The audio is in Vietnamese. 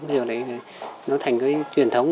bây giờ lại nó thành cái truyền thống